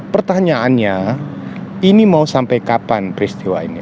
pertanyaannya ini mau sampai kapan peristiwa ini